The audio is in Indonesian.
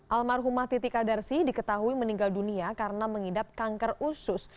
almarhumah titika darsi diketahui meninggal dunia karena mengidap kanker usus